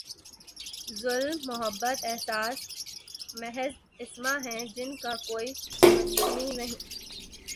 ظلم، محبت، احساس، محض اسما ہیں جن کا کوئی مسمی نہیں؟